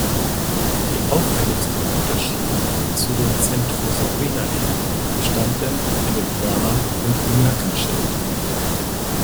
Die auffälligsten Unterschiede zu den Centrosaurinae bestanden in den Hörnern und im Nackenschild.